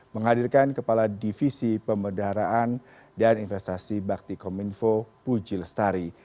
menghadirkan kepala divisi pemedaraan dan investasi bakti kominfo puji lestari